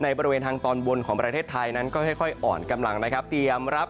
ในบริเวณทางตอนวันของประเทศไทยนั้นก็ค่อยค่อยอ่อนกำลังนะครับ